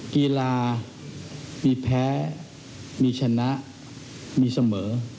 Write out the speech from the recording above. กีฬามีแพ้มีชนะมีเสมอ